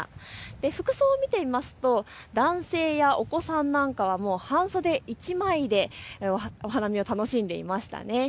服装を見ていますと、男性やお子さんなんかはもう半袖１枚でお花見を楽しんでいました。